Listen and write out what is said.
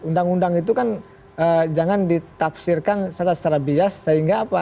undang undang itu kan jangan ditafsirkan secara bias sehingga apa